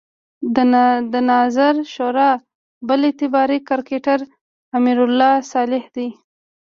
د نظار شورا بل اعتباري کرکټر امرالله صالح دی.